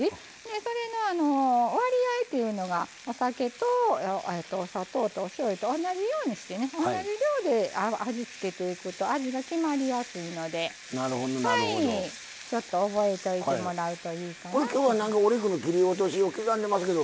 それの、割合というのがお酒と、お砂糖と、おしょうゆと同じようにして同じ量で味付けていくと味が決まりやすいのでちょっと覚えといてもらうといいですね。